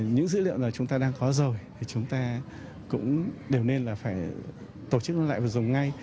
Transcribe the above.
những dữ liệu là chúng ta đang có rồi thì chúng ta cũng đều nên là phải tổ chức lại và dùng ngay